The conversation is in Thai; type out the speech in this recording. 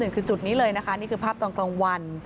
คือจุดนี้เลยนะคะนี่คือภาพตอนกลางวัน